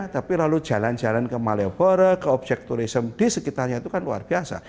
tapi lalu jalan jalan ke malioboro ke objek turisme di sekitarnya itu kan luar biasa